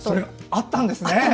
あったんですね。